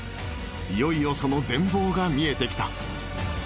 いよいよその全貌が見えてきた